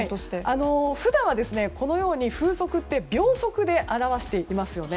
普段はこのように風速って秒速で表していますよね。